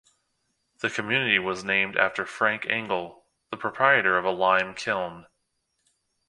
The community was named after Frank Engle, the proprietor of a lime kiln.